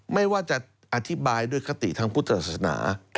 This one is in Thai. ไม่ว่าจะอธิบายด้วยคติทางพุทธศาสนา